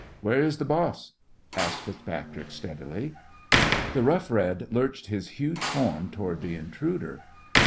"Where is the boss?" asked FitzPatrick, steadily. The Rough Red lurched his huge form toward the intruder.